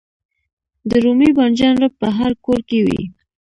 د رومي بانجان رب په هر کور کې وي.